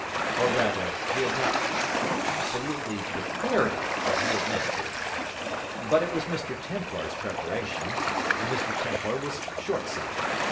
Or, rather, he had not absolutely prepared it; but he had meant to. But it was Mr Templar's preparation, and Mr Templar was short sighted.